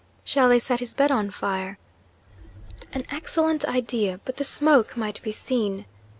Shall they set his bed on fire? An excellent idea; but the smoke might be seen.